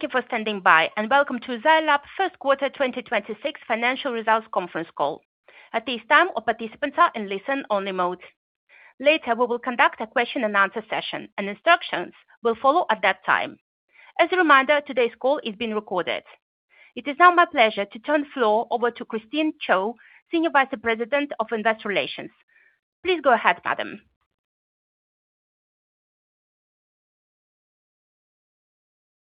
Thank you for standing by, and welcome to Zai Lab's first quarter 2026 financial results conference call. At this time, all participants are in listen-only mode. Later, we will conduct a question-and-answer session, and instructions will follow at that time. As a reminder, today's call is being recorded. It is now my pleasure to turn the floor over to Christine Chiou, Senior Vice President of Investor Relations. Please go ahead, madam.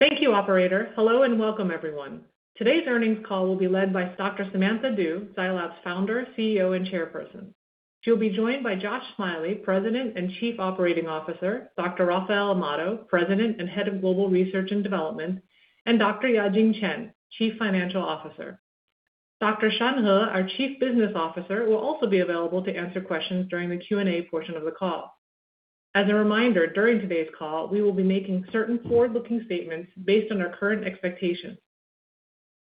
Thank you, operator. Hello, and welcome everyone. Today's earnings call will be led by Dr. Samantha Du, Zai Lab's founder, CEO, and Chairperson. She'll be joined by Josh Smiley, President and Chief Operating Officer, Dr. Rafael Amado, President and Head of Global Research and Development, and Dr. Yajing Chen, Chief Financial Officer. Dr. Shan He, our Chief Business Officer, will also be available to answer questions during the Q&A portion of the call. As a reminder, during today's call, we will be making certain forward-looking statements based on our current expectations.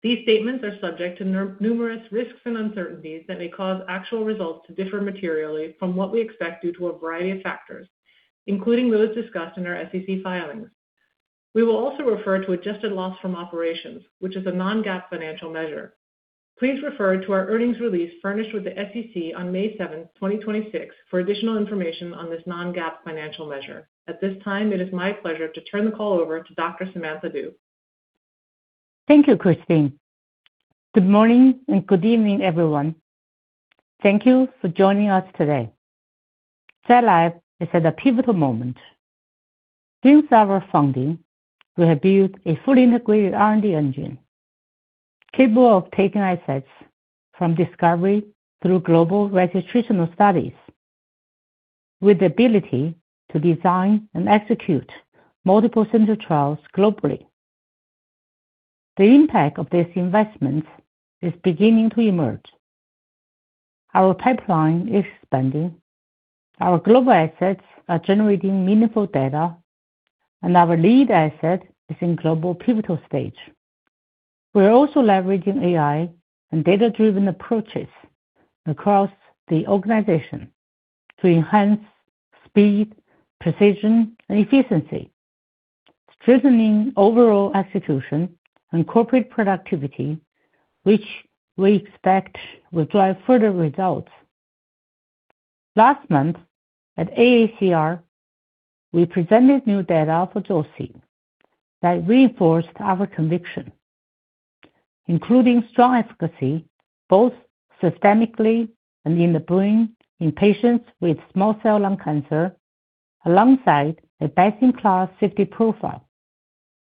These statements are subject to numerous risks and uncertainties that may cause actual results to differ materially from what we expect due to a variety of factors, including those discussed in our SEC filings. We will also refer to adjusted loss from operations, which is a non-GAAP financial measure. Please refer to our earnings release furnished with the SEC on May 7th, 2026 for additional information on this non-GAAP financial measure. At this time, it is my pleasure to turn the call over to Dr. Samantha Du. Thank you, Christine. Good morning, and good evening, everyone. Thank you for joining us today. Zai Lab is at a pivotal moment. Since our founding, we have built a fully integrated R&D engine capable of taking assets from discovery through global registrational studies with the ability to design and execute multiple central trials globally. The impact of this investment is beginning to emerge. Our pipeline is expanding, our global assets are generating meaningful data, and our lead asset is in global pivotal stage. We are also leveraging AI and data-driven approaches across the organization to enhance speed, precision, and efficiency, strengthening overall execution and corporate productivity, which we expect will drive further results. Last month at AACR, we presented new data for zoci that reinforced our conviction, including strong efficacy, both systemically and in the brain in patients with small cell lung cancer, alongside a best-in-class safety profile.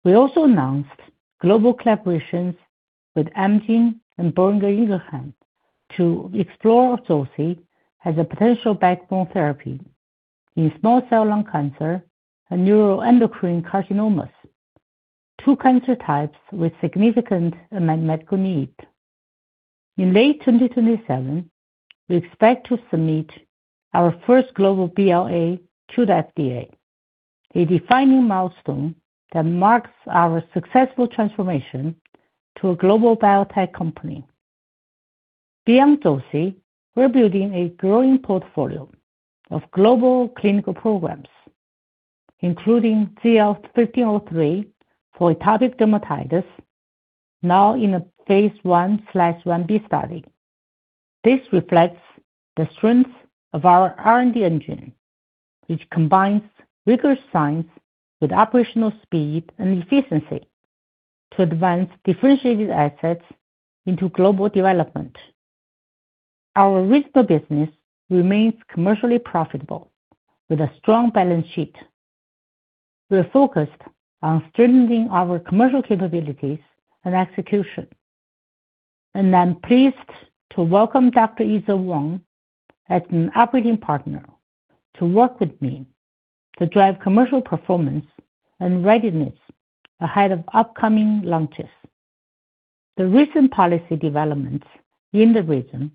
We also announced global collaborations with Amgen and Boehringer Ingelheim to explore zoci as a potential backbone therapy in small cell lung cancer and neuroendocrine carcinomas, two cancer types with significant unmet medical need. In late 2027, we expect to submit our first global BLA to the FDA, a defining milestone that marks our successful transformation to a global biotech company. Beyond zoci, we're building a growing portfolio of global clinical programs, including ZL-1311 for atopic dermatitis, now in a phase I-B study. This reflects the strength of our R&D engine, which combines rigorous science with operational speed and efficiency to advance differentiated assets into global development. Our reasonable business remains commercially profitable with a strong balance sheet. We're focused on strengthening our commercial capabilities and execution, and I'm pleased to welcome Dr. Yizhe Wang as an Operating Partner to work with me to drive commercial performance and readiness ahead of upcoming launches. The recent policy developments in the region,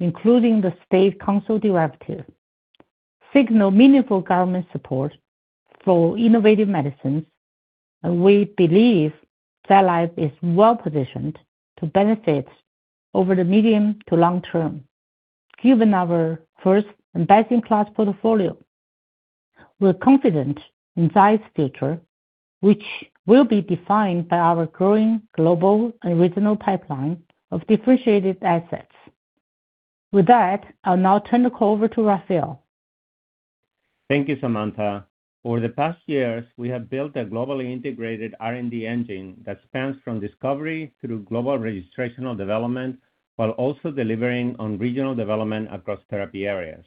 including the State Council directive, signal meaningful government support for innovative medicines, and we believe Zai Lab is well-positioned to benefit over the medium to long term. Given our first-in-class portfolio, we're confident in Zai's future, which will be defined by our growing global and regional pipeline of differentiated assets. With that, I'll now turn the call over to Rafael. Thank you, Samantha. For the past years, we have built a globally integrated R&D engine that spans from discovery through global registrational development while also delivering on regional development across therapy areas.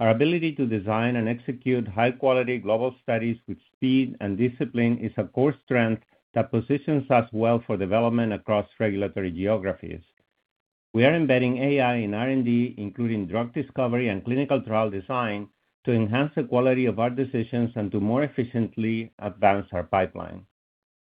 Our ability to design and execute high-quality global studies with speed and discipline is a core strength that positions us well for development across regulatory geographies. We are embedding AI in R&D, including drug discovery and clinical trial design, to enhance the quality of our decisions and to more efficiently advance our pipeline.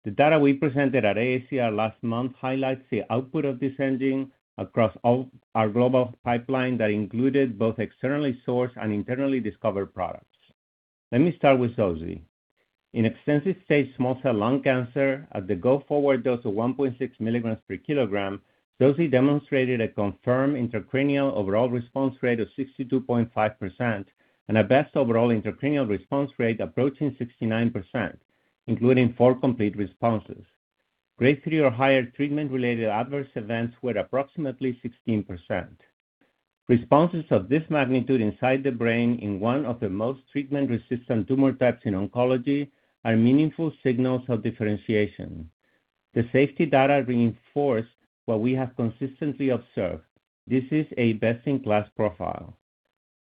The data we presented at AACR last month highlights the output of this engine across all our global pipeline that included both externally sourced and internally discovered products. Let me start with zoci. In extensive-stage small cell lung cancer at the go-forward dose of 1.6 mg per kg, zoci demonstrated a confirmed intracranial overall response rate of 62.5%. A best overall intracranial response rate approaching 69%, including four complete responses. Grade 3 or higher treatment-related adverse events were approximately 16%. Responses of this magnitude inside the brain in one of the most treatment-resistant tumor types in oncology are meaningful signals of differentiation. The safety data reinforce what we have consistently observed. This is a best-in-class profile.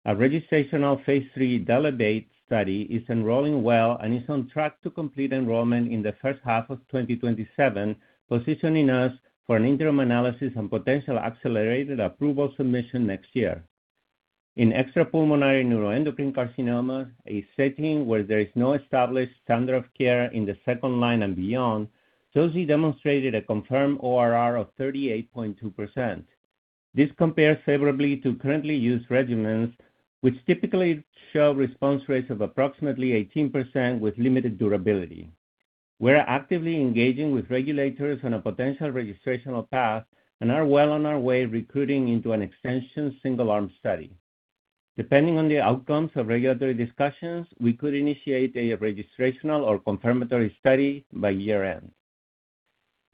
A registrational phase III DLLEVATE study is enrolling well and is on track to complete enrollment in the first half of 2027, positioning us for an interim analysis and potential accelerated approval submission next year. In extrapulmonary neuroendocrine carcinoma, a setting where there is no established standard of care in the second line and beyond, zoci demonstrated a confirmed ORR of 38.2%. This compares favorably to currently used regimens, which typically show response rates of approximately 18% with limited durability. We're actively engaging with regulators on a potential registrational path and are well on our way recruiting into an extension single-arm study. Depending on the outcomes of regulatory discussions, we could initiate a registrational or confirmatory study by year-end.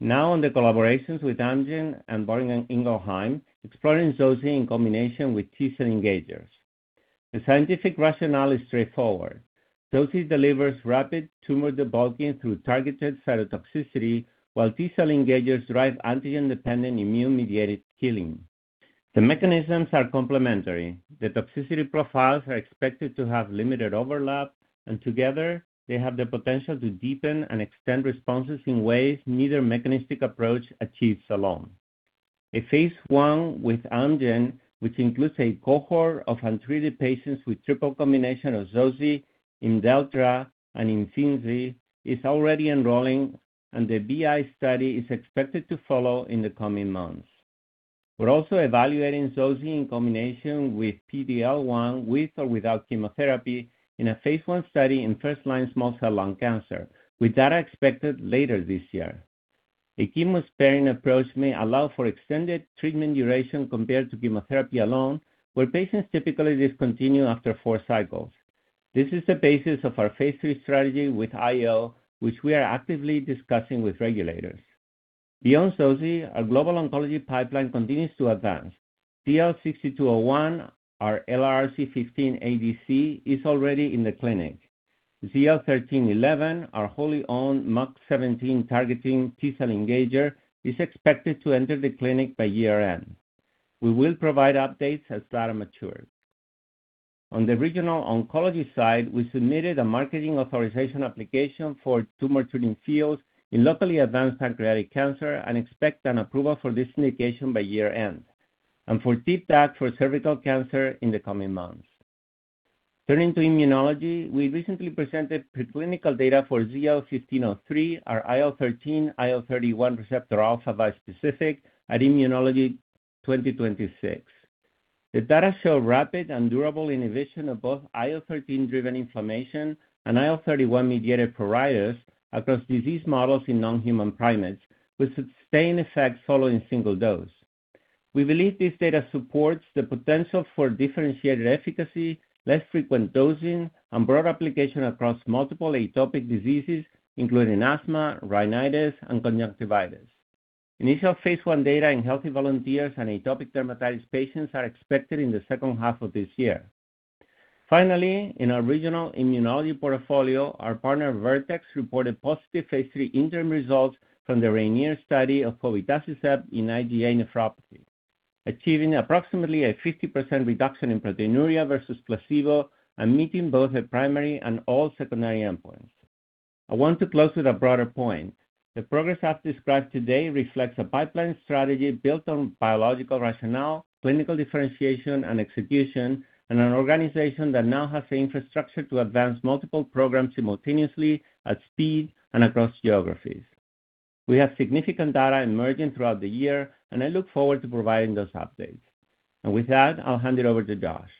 Now on the collaborations with Amgen and Boehringer Ingelheim, exploring zoci in combination with T-cell engagers. The scientific rationale is straightforward. zoci delivers rapid tumor debulking through targeted cytotoxicity, while T-cell engagers drive antigen-dependent immune-mediated killing. The mechanisms are complementary. The toxicity profiles are expected to have limited overlap. Together, they have the potential to deepen and extend responses in ways neither mechanistic approach achieves alone. A phase I with Amgen, which includes a cohort of untreated patients with triple combination of zoci, IMDELLTRA, and Imfinzi, is already enrolling. The BI study is expected to follow in the coming months. We're also evaluating zoci in combination with PD-L1, with or without chemotherapy, in a phase I study in first-line small cell lung cancer, with data expected later this year. A chemo-sparing approach may allow for extended treatment duration compared to chemotherapy alone, where patients typically discontinue after four cycles. This is the basis of our phase III strategy with IO, which we are actively discussing with regulators. Beyond zoci, our global oncology pipeline continues to advance. ZL-6201, our LRRC15 ADC, is already in the clinic. ZL-1311, our wholly owned MUC17 targeting T-cell engager, is expected to enter the clinic by year-end. We will provide updates as data matures. On the regional oncology side, we submitted a marketing authorization application for Tumor Treating Fields in locally advanced pancreatic cancer and expect an approval for this indication by year-end, and for TIVDAK for cervical cancer in the coming months. Turning to immunology, we recently presented preclinical data for ZL-1503, our IL-13, IL-31Rα bispecific at #IMMUNOLOGY2026. The data show rapid and durable inhibition of both IL-13-driven inflammation and IL-31 mediated pruritus across disease models in non-human primates, with sustained effects following single dose. We believe this data supports the potential for differentiated efficacy, less frequent dosing, and broad application across multiple atopic diseases, including asthma, rhinitis, and conjunctivitis. Initial phase I data in healthy volunteers and atopic dermatitis patients are expected in the second half of this year. Finally, in our regional immunology portfolio, our partner, Vertex, reported positive phase III interim results from the RAINIER study of povetacicept in IgA nephropathy, achieving approximately a 50% reduction in proteinuria versus placebo and meeting both the primary and all secondary endpoints. I want to close with a broader point. The progress I've described today reflects a pipeline strategy built on biological rationale, clinical differentiation, and execution, an organization that now has the infrastructure to advance multiple programs simultaneously at speed and across geographies. I look forward to providing those updates. With that, I'll hand it over to Josh.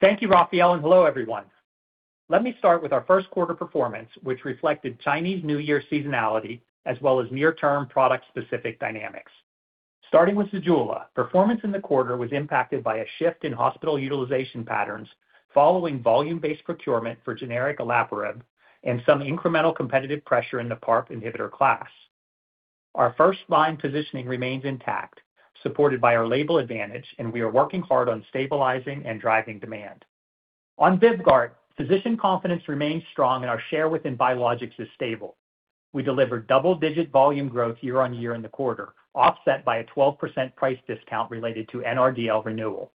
Thank you, Rafael, and hello, everyone. Let me start with our first quarter performance, which reflected Chinese New Year seasonality as well as near-term product-specific dynamics. Starting with ZEJULA, performance in the quarter was impacted by a shift in hospital utilization patterns following volume-based procurement for generic olaparib and some incremental competitive pressure in the PARP inhibitor class. Our first-line positioning remains intact, supported by our label advantage, and we are working hard on stabilizing and driving demand. On VYVGART, physician confidence remains strong and our share within biologics is stable. We delivered double-digit volume growth year-on-year in the quarter, offset by a 12% price discount related to NRDL renewal.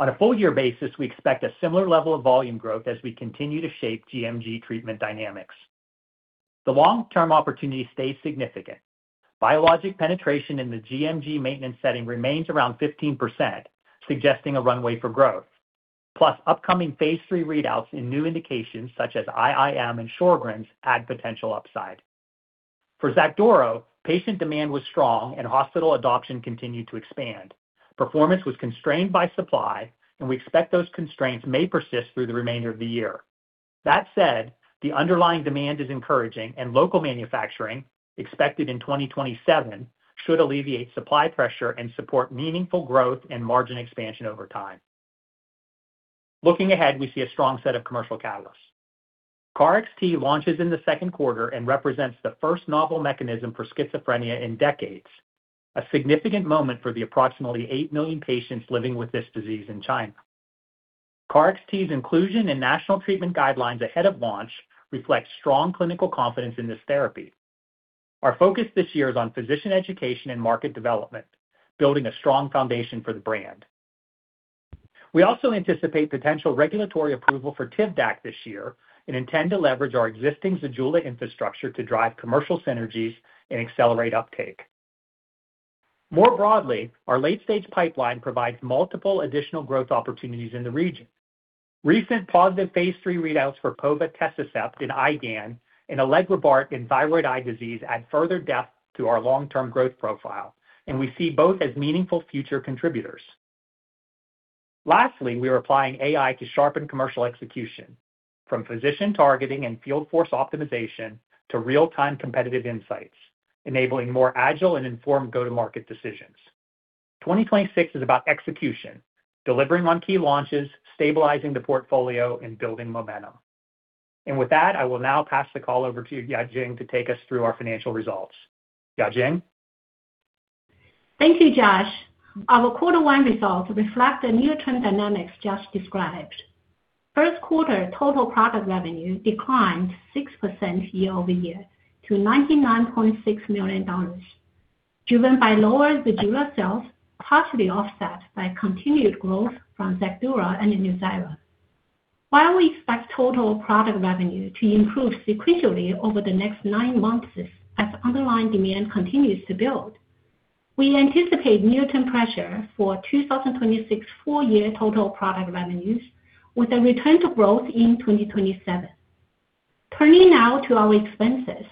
On a full-year basis, we expect a similar level of volume growth as we continue to shape gMG treatment dynamics. The long-term opportunity stays significant. Biologic penetration in the gMG maintenance setting remains around 15%, suggesting a runway for growth. Upcoming phase III readouts in new indications such as IIM and Sjögren's add potential upside. For XACDURO, patient demand was strong and hospital adoption continued to expand. Performance was constrained by supply, and we expect those constraints may persist through the remainder of the year. That said, the underlying demand is encouraging, and local manufacturing, expected in 2027, should alleviate supply pressure and support meaningful growth and margin expansion over time. Looking ahead, we see a strong set of commercial catalysts. KarXT launches in the second quarter and represents the first novel mechanism for schizophrenia in decades, a significant moment for the approximately 8 million patients living with this disease in China. KarXT's inclusion in national treatment guidelines ahead of launch reflects strong clinical confidence in this therapy. Our focus this year is on physician education and market development, building a strong foundation for the brand. We also anticipate potential regulatory approval for TIVDAK this year and intend to leverage our existing ZEJULA infrastructure to drive commercial synergies and accelerate uptake. More broadly, our late-stage pipeline provides multiple additional growth opportunities in the region. Recent positive phase III readouts for povetacicept in IgAN and elegrobart in thyroid eye disease add further depth to our long-term growth profile, and we see both as meaningful future contributors. Lastly, we are applying AI to sharpen commercial execution from physician targeting and field force optimization to real-time competitive insights, enabling more agile and informed go-to-market decisions. 2026 is about execution, delivering on key launches, stabilizing the portfolio and building momentum. With that, I will now pass the call over to Yajing to take us through our financial results. Yajing? Thank you, Josh. Our quarter one results reflect the near-term dynamics just described. First quarter total product revenue declined 6% year-over-year to $99.6 million, driven by lower ZEJULA sales, partially offset by continued growth from ZEJULA and NUZYRA. While we expect total product revenue to improve sequentially over the next nine months as underlying demand continues to build, we anticipate near-term pressure for 2026 full-year total product revenues with a return to growth in 2027. Turning now to our expenses.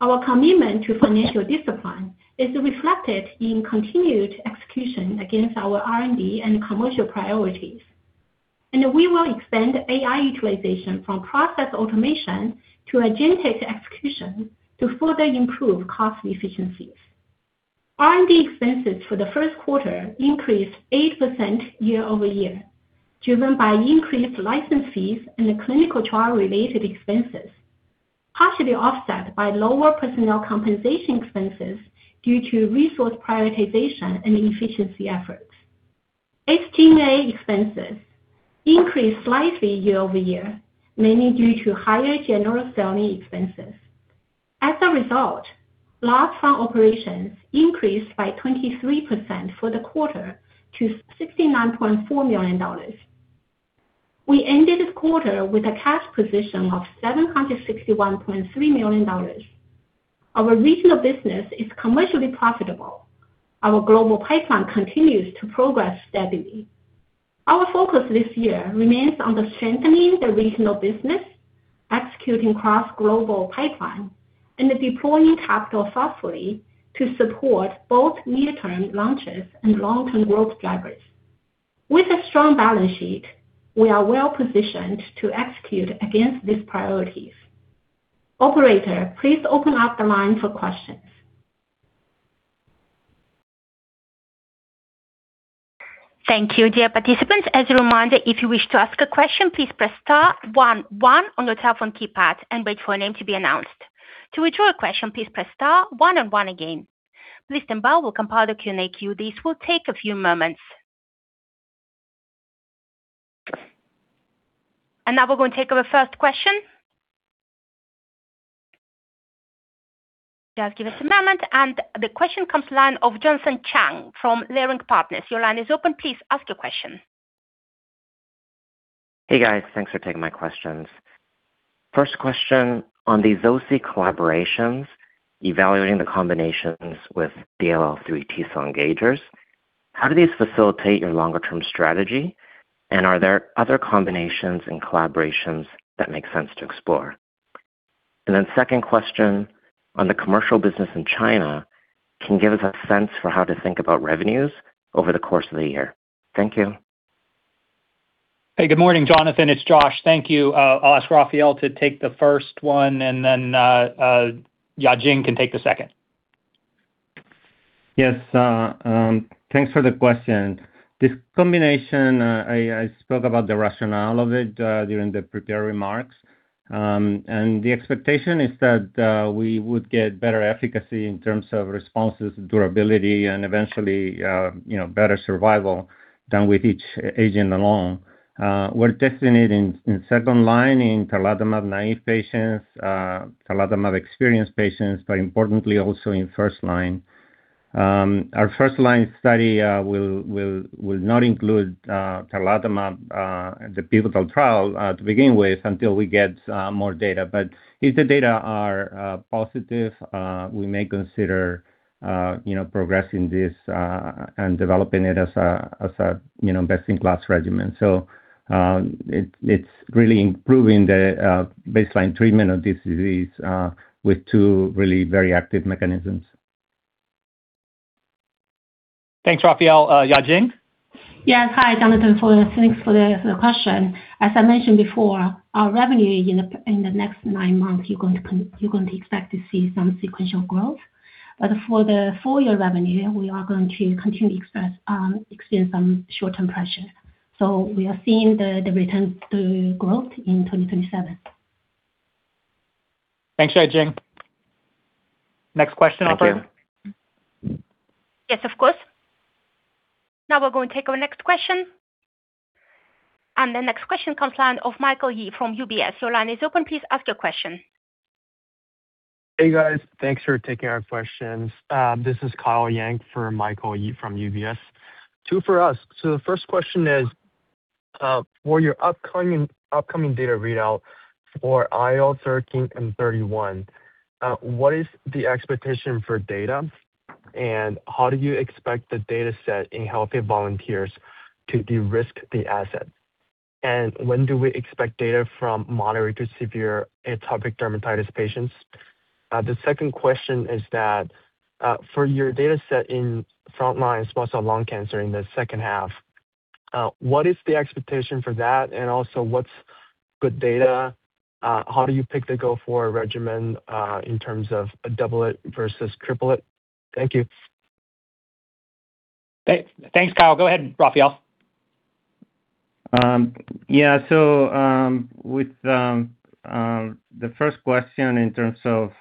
Our commitment to financial discipline is reflected in continued execution against our R&D and commercial priorities. We will expand AI utilization from process automation to agentic execution to further improve cost efficiencies. R&D expenses for the first quarter increased 8% year-over-year, driven by increased license fees and clinical trial-related expenses, partially offset by lower personnel compensation expenses due to resource prioritization and efficiency efforts. SG&A expenses increased slightly year-over-year, mainly due to higher general selling expenses. As a result, loss from operations increased by 23% for the quarter to $69.4 million. We ended the quarter with a cash position of $761.3 million. Our regional business is commercially profitable. Our global pipeline continues to progress steadily. Our focus this year remains on strengthening the regional business, executing cross-global pipeline, and deploying capital thoughtfully to support both near-term launches and long-term growth drivers. With a strong balance sheet, we are well-positioned to execute against these priorities. Operator, please open up the line for questions. Thank you, dear participants. As a reminder, if you wish to ask a question, please press star one one on your telephone keypad and wait for your name to be announced. To withdraw your question, please press star one and one again. Please stand by while we compile the Q&A queue. This will take a few moments. Now, we're going to take our first question. Just give us a moment, the question comes line of Jonathan Chang from Leerink Partners. Your line is open. Please ask your question. Hey, guys. Thanks for taking my questions. First question on the zoci collaborations evaluating the combinations with DLL3 T-cell engagers. How do these facilitate your longer-term strategy? Are there other combinations and collaborations that make sense to explore? Second question on the commercial business in China, can you give us a sense for how to think about revenues over the course of the year? Thank you. Hey, good morning, Jonathan. It's Josh. Thank you. I'll ask Rafael to take the first one and then Yajing can take the second. Yes, thanks for the question. This combination, I spoke about the rationale of it during the prepared remarks. The expectation is that we would get better efficacy in terms of responses, durability and eventually, you know, better survival than with each agent alone. We're testing it in second line in tarlatamab naive patients, tarlatamab experienced patients, but importantly also in first line. Our first line study will not include tarlatamab, the pivotal trial, to begin with until we get more data. If the data are positive, we may consider, you know, progressing this and developing it as a, you know, best-in-class regimen. It's really improving the baseline treatment of this disease, with two really very active mechanisms. Thanks, Rafael. Yajing? Yes. Hi, Jonathan. Thanks for the question. As I mentioned before, our revenue in the next nine months, you're going to expect to see some sequential growth. For the full-year revenue, we are going to continue express experience some short-term pressure. We are seeing the return to growth in 2027. Thanks, Yajing. Next question, operator. Thank you. Yes, of course. Now we're going to take our next question. The next question comes line of Michael Yee from UBS. Your line is open. Please ask your question. Hey, guys. Thanks for taking our questions. This is Kyle Yang for Michael Yee from UBS. Two for us. The first question is for your upcoming data readout for IL-13 and IL-31, what is the expectation for data, and how do you expect the data set in healthy volunteers to de-risk the asset? When do we expect data from moderate to severe atopic dermatitis patients? The second question is that for your data set in frontline small cell lung cancer in the second half, what is the expectation for that? Also what's good data? How do you pick the go forward regimen in terms of a doublet versus triplet? Thank you. Thanks, Kyle. Go ahead, Rafael. With the first question in terms of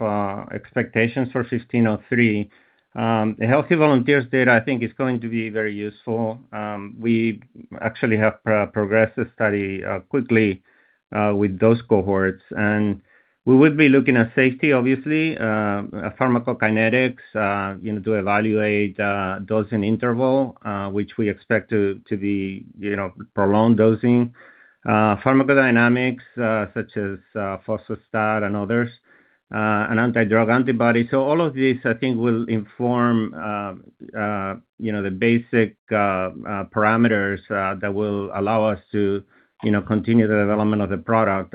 expectations for ZL-1503, the healthy volunteers data I think is going to be very useful. We actually have progressed the study quickly with those cohorts. We would be looking at safety obviously, pharmacokinetics, you know, to evaluate dosing interval, which we expect to be, you know, prolonged dosing. Pharmacodynamics, such as phospho-STAT and others, an anti-drug antibody. All of these, I think will inform, you know, the basic parameters that will allow us to, you know, continue the development of the product.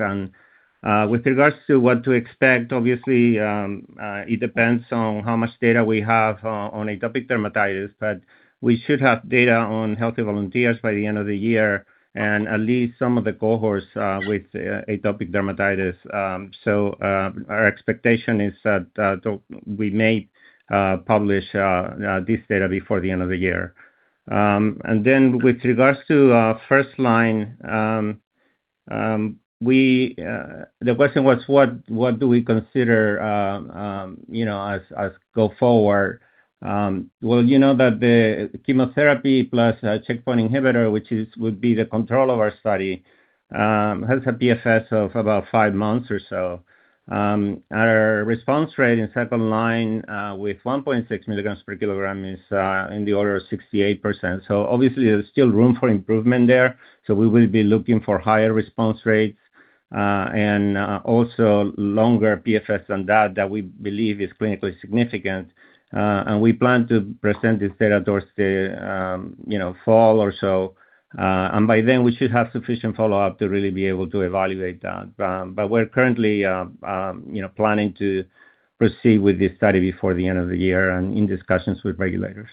With regards to what to expect, obviously, it depends on how much data we have on atopic dermatitis, but we should have data on healthy volunteers by the end of the year and at least some of the cohorts with atopic dermatitis. Our expectation is that we may publish this data before the end of the year. With regards to first line, we, the question was what do we consider, you know, as go forward? Well, you know that the chemotherapy plus checkpoint inhibitor, which would be the control of our study, has a PFS of about five months or so. Our response rate in second line, with 1.6 mg per kg is in the order of 68%. Obviously there's still room for improvement there. We will be looking for higher response rates, and also longer PFS than that we believe is clinically significant. And we plan to present this data towards the, you know, fall or so. And by then we should have sufficient follow-up to really be able to evaluate that. We're currently, you know, planning to proceed with this study before the end of the year and in discussions with regulators.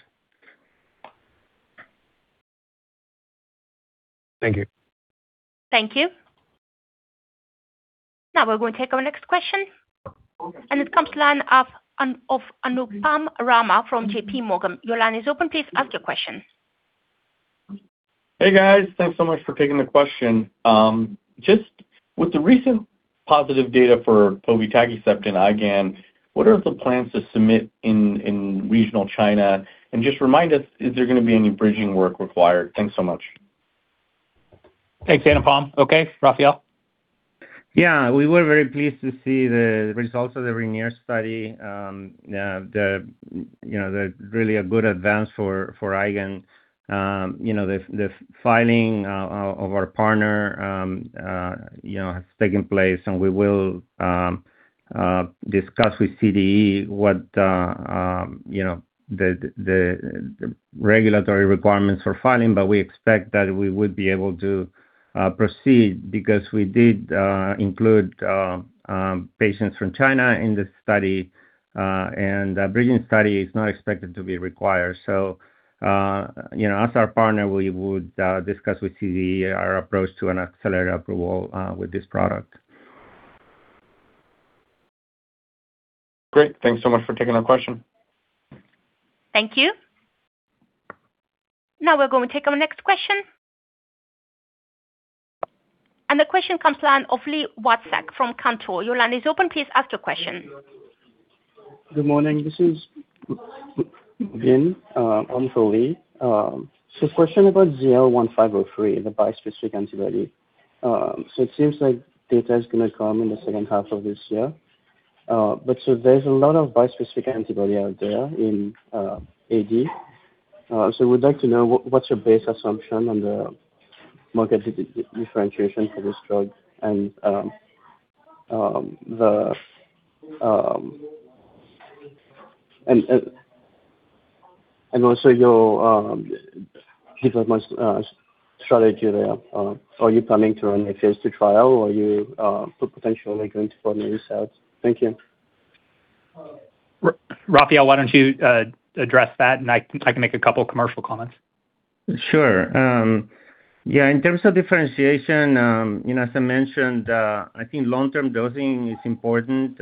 Thank you. Thank you. Now we're going to take our next question, and it comes line of Anupam Rama from JPMorgan. Your line is open. Please ask your question. Hey, guys. Thanks so much for taking the question. Just with the recent positive data for povetacicept in IgAN, what are the plans to submit in regional China? Just remind us, is there gonna be any bridging work required? Thanks so much. Thanks, Anupam. Okay, Rafael? Yeah. We were very pleased to see the results of the RAINIER study. The really a good advance for IgAN. The filing of our partner has taken place, and we will discuss with CDE what the regulatory requirements for filing. We expect that we would be able to proceed because we did include patients from China in the study. A bridging study is not expected to be required. As our partner, we would discuss with CDE our approach to an accelerated approval with this product. Great, thanks so much for taking our question. Thank you. Now we're going to take our next question. The question comes line of Li Watsek from Cantor Fitzgerald. Your line is open. Please ask your question. Good morning. This is on for Li. Question about ZL-1503, the bispecific antibody. It seems like data is going to come in the second half of this year. There's a lot of bispecific antibody out there in AD. We'd like to know what's your base assumption on the market differentiation for this drug and also your strategy there? Are you planning to run a phase II trial, or are you potentially going to form a result? Thank you. Rafael, why don't you address that, and I can make a couple commercial comments. Sure. Yeah, in terms of differentiation, you know, as I mentioned, I think long-term dosing is important.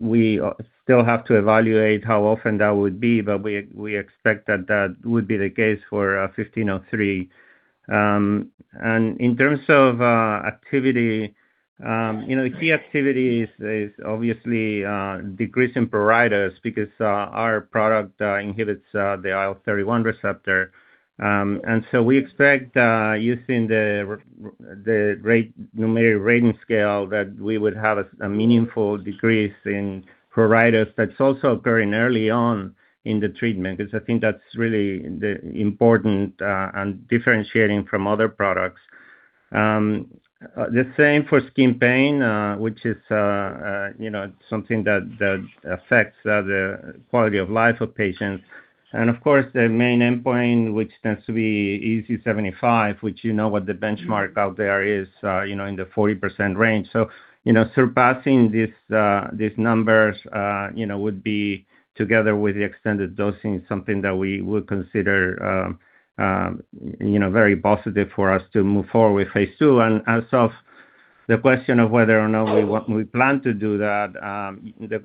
We still have to evaluate how often that would be, but we expect that that would be the case for ZL-1503. In terms of activity, you know, the key activity is obviously decreasing pruritus because our product inhibits the IL-31 receptor. We expect using the numerical rating scale that we would have a meaningful decrease in pruritus that's also occurring early on in the treatment. 'Cause I think that's really the important and differentiating from other products. The same for skin pain, which is, you know, something that affects the quality of life of patients. Of course, the main endpoint, which tends to be EASI-75, which you know what the benchmark out there is, you know, in the 40% range. You know, surpassing these numbers, you know, would be together with the extended dosing, something that we would consider, you know, very positive for us to move forward with phase II. As of the question of whether or not we plan to do that,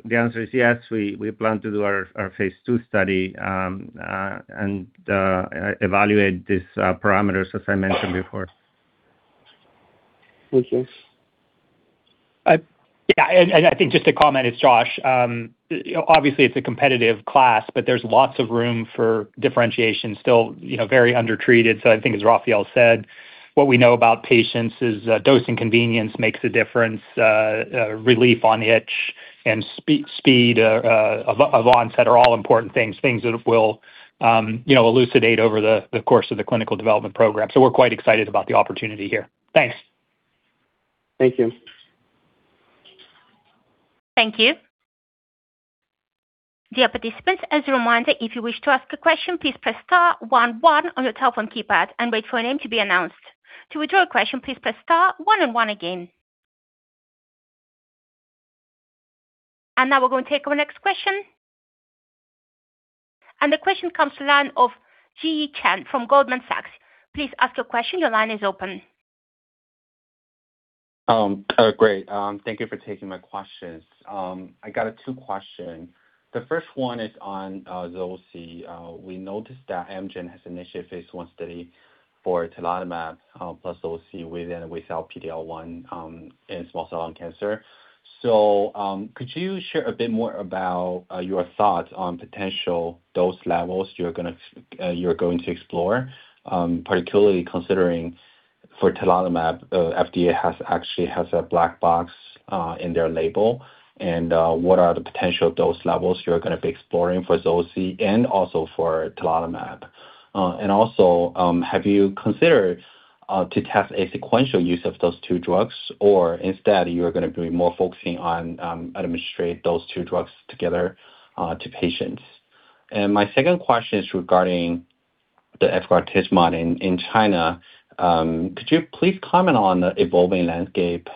the answer is yes, we plan to do our phase II study and evaluate these parameters as I mentioned before. Thank you. Yeah, I think just to comment, it's Josh. Obviously it's a competitive class, but there's lots of room for differentiation still, you know, very undertreated. I think as Rafael said, what we know about patients is, dosing convenience makes a difference. Relief on itch and speed of onset are all important things that will, you know, elucidate over the course of the clinical development program. We're quite excited about the opportunity here. Thanks. Thank you. Thank you. Dear participants, as a reminder, if you wish to ask a question, please press star one one on your telephone keypad and wait for a name to be announced. To withdraw a question, please press star one and one again. Now we're gonna take our next question. The question comes to line of Ziyi Chen from Goldman Sachs. Please ask your question. Your line is open. Great, thank you for taking my questions. I got two questions. The first one is on zoci. We noticed that Amgen has initiated phase I study for tarlatamab plus zoci with and without PD-L1 in small cell lung cancer. Could you share a bit more about your thoughts on potential dose levels you're gonna explore, particularly considering for tarlatamab, FDA has actually has a black box in their label. What are the potential dose levels you're gonna be exploring for zoci and also for tarlatamab? And also, have you considered to test a sequential use of those two drugs, or instead you're gonna be more focusing on administer those two drugs together to patients? My second question is regarding the efgartigimod in China. Could you please comment on the evolving landscape,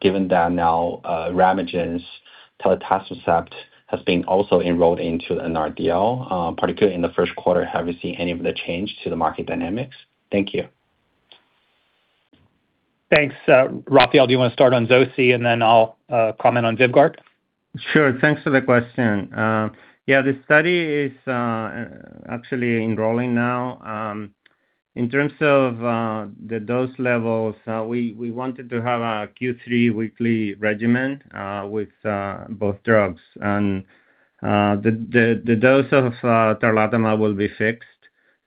given that now RemeGen's telitacicept has been also enrolled into an NRDL, particularly in the first quarter? Have you seen any of the change to the market dynamics? Thank you. Thanks. Rafael, do you wanna start on zoci and then I'll comment on VYVGART? Sure, thanks for the question. Yeah, the study is actually enrolling now. In terms of the dose levels, we wanted to have a Q3 weekly regimen with both drugs. The dose of tarlatamab will be fixed.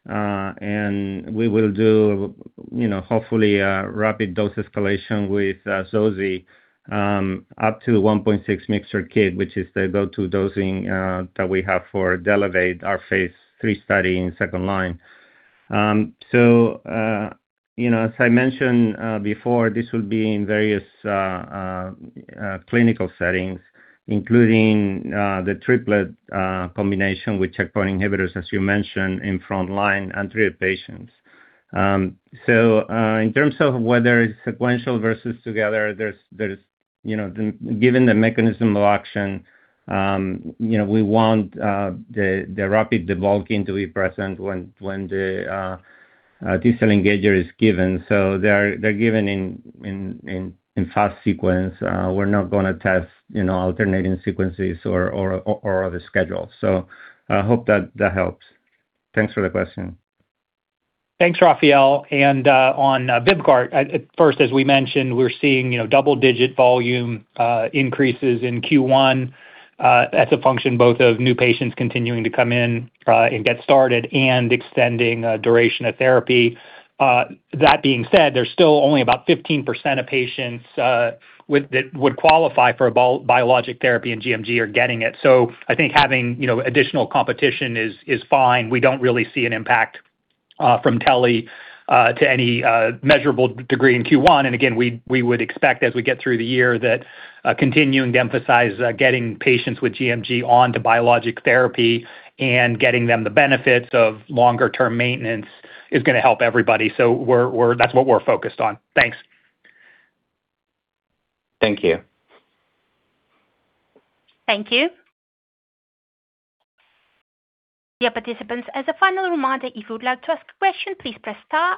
We will do, you know, hopefully a rapid dose escalation with zoci up to 1.6 mixture kit, which is the go-to dosing that we have for DLLEVATE, our phase III study in second line. You know, as I mentioned before, this will be in various clinical settings, including the triplet combination with checkpoint inhibitors, as you mentioned, in front line and three patients. In terms of whether it's sequential versus together, there's, you know, given the mechanism of action, you know, we want the rapid debulking to be present when the T-cell engager is given. They're given in fast sequence. We're not gonna test, you know, alternating sequences or other schedules. I hope that that helps. Thanks for the question. Thanks, Rafael. On VYVGART, at first, as we mentioned, we're seeing, you know, double-digit volume increases in Q1 as a function both of new patients continuing to come in and get started and extending duration of therapy. That being said, there's still only about 15% of patients with that would qualify for a biologic therapy in gMG are getting it. I think having, you know, additional competition is fine. We don't really see an impact from telitacicept to any measurable degree in Q1. Again, we would expect as we get through the year that continuing to emphasize getting patients with gMG on to biologic therapy and getting them the benefits of longer term maintenance is gonna help everybody. That's what we're focused on. Thanks. Thank you. Thank you. Dear participants, as a final reminder, if you would like to ask a question, please press star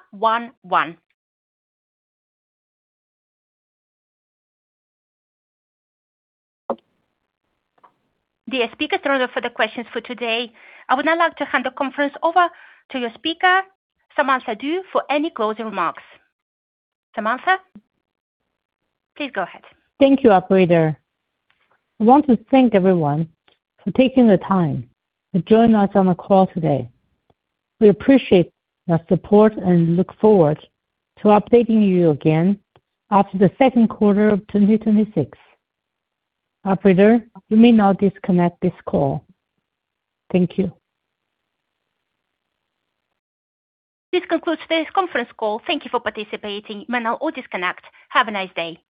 one one. Dear speakers, those are further questions for today. I would now like to hand the conference over to your speaker, Samantha Du, for any closing remarks. Samantha, please go ahead. Thank you, operator. I want to thank everyone for taking the time to join us on the call today. We appreciate your support and look forward to updating you again after the second quarter of 2026. Operator, you may now disconnect this call. Thank you. This concludes today's conference call. Thank you for participating. You may now all disconnect. Have a nice day.